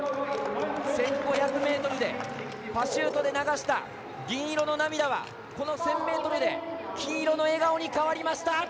１５００ｍでパシュートで流した銀色の涙は、この１０００ｍで金色の笑顔に変わりました！